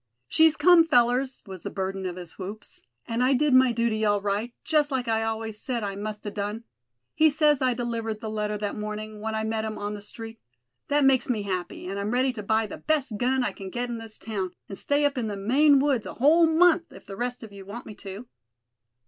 "She's come, fellers!" was the burden of his whoops; "and I did my duty all right, just like I always said I must a done. He says I delivered the letter that mornin', when I met him on the street. That makes me happy, and I'm ready to buy the best gun I c'n get in this town, and stay up in the Maine woods a whole month, if the rest of you want me to."